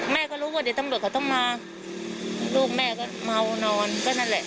แม่ก็รู้ว่าเดี๋ยวตำรวจเขาต้องมาลูกแม่ก็เมานอนก็นั่นแหละ